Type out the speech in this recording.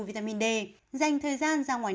vitamin d dành thời gian ra ngoài